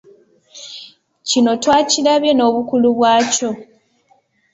Kino twakirabye n'obukulu bwakyo